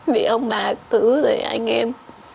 vì ông bà tử rồi anh em